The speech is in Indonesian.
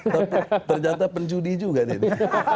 tapi ternyata penjudi juga nih